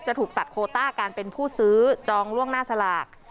ถูกตัดโคต้าการเป็นผู้ซื้อจองล่วงหน้าสลาก